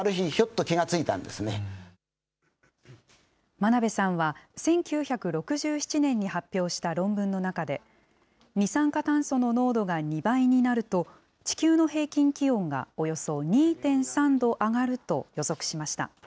真鍋さんは、１９６７年に発表した論文の中で、二酸化炭素の濃度が２倍になると、地球の平均気温がおよそ２．３度上がると予測しました。